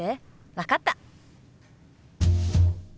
分かった。